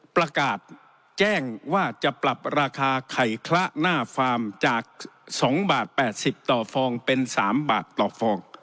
ประกาศแจ้งว่าจะปรับราคาไข่คละหน้าฟาร์มจาก๒บาท๘๐ต่อฟองเป็น๓บาทต่อฟอง